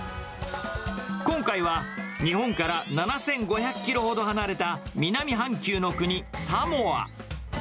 今回は、日本から７５００キロほど離れた南半球の国、サモア。